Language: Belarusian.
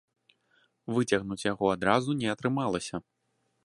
Выцягнуць яго адразу не атрымалася.